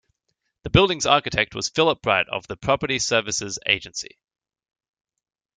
The building's architect was Philip Bright of the Property Services Agency.